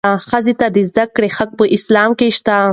ښځو ته د زدهکړې حق په اسلام کې شته.